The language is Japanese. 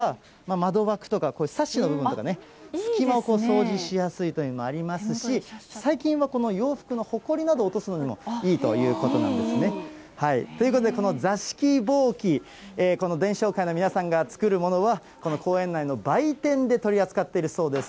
この荒神ぼうきは、窓枠とか、サッシの部分とかね、隙間を掃除しやすいというのもありますし、最近はこの洋服のほこりなどを落とすのにもいいということなんですね。ということで、この座敷ぼうき、この伝承会の皆さんが作るものは、この公園内の売店で取り扱っているそうです。